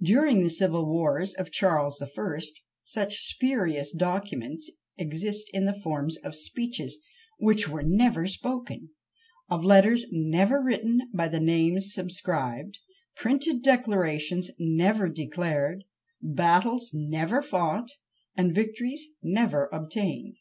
During the civil wars of Charles the First such spurious documents exist in the forms of speeches which were never spoken; of letters never written by the names subscribed; printed declarations never declared; battles never fought, and victories never obtained!